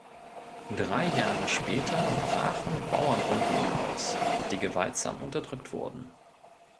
Drei Jahre später brachen Bauernunruhen aus, die gewaltsam unterdrückt wurden.